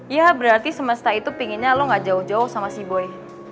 ya berarti semesta itu pinginnya lo gak jauh jauh sama si boy